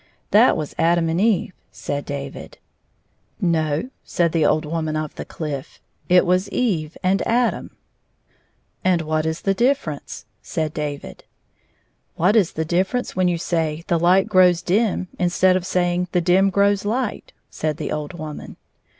" That was Adam and Eve," said David. "No," said the old woman of the cliff; "it was Eve and Adam." " And what is the difference 1 " said David. " What is the difference when you say ' the Hght grows dim,' instead of saying ' the dim grows light '?" said the old woman.